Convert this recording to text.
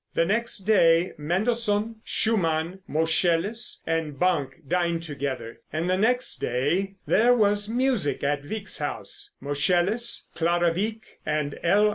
The next day Mendelssohn, Schumann, Moscheles and Banck dined together, and the next day there was music at Wieck's house Moscheles, Clara Wieck and L.